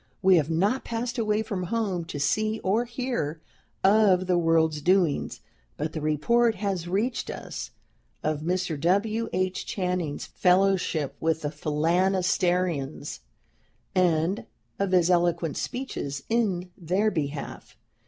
We have not passed away from home, to see or hear of the world's doings, but the report has reached us of Mr. W. H. Channing's fellowship with the Phalansterians, and of his eloquent speeches in their behalf.